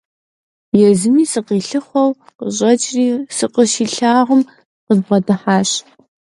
Езыми сыкъилъыхъуэу къыщӀэкӀри, сыкъыщилъагъум, къызбгъэдыхьащ.